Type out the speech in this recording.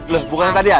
loh bukan tadi ada